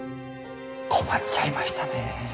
困っちゃいましたねぇ。